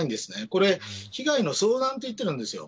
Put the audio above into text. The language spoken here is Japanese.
これ被害の相談と言っているんです。